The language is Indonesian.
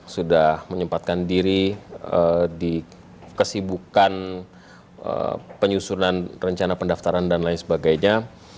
sudah menyempatkan diri di kesibukan penyusunan rencana pendaftaran dan lain sebagainya